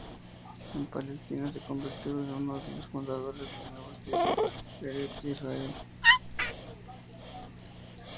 En Palestina, se convirtió en uno de los fundadores del nuevo "estilo Eretz-Israel".